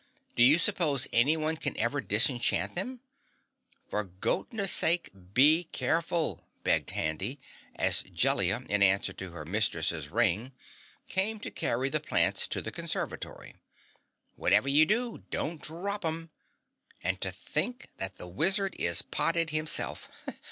Do you suppose anyone can ever disenchant them? For goatness sake be careful!" begged Handy as Jellia, in answer to her Mistress's ring, came to carry the plants to the conservatory. "Whatever you do, don't drop 'em. And to think that the Wizard is potted himself!